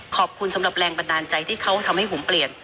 สำหรับแรงบันดาลใจที่เขาทำให้ผมเปลี่ยน